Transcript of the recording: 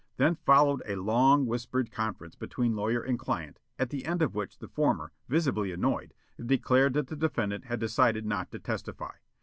Then followed a long, whispered conference between lawyer and client, at the end of which the former, visibly annoyed, declared that the defendant had decided not to testify.